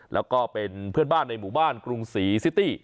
แล้วก็เป็นเพื่อนบ้านในหมู่บ้านกรุงศรีซิตี้